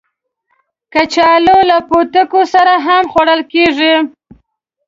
کچالو له پوټکي سره هم خوړل کېږي